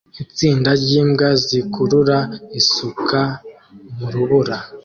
itsinda ryimbwa zikurura isuka mu rubura